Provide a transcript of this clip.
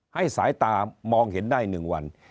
ให้สายตามองเห็นได้๑วัน